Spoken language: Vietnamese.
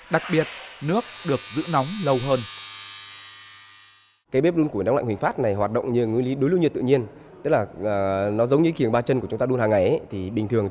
đặc biệt nước được giữ nóng lâu hơn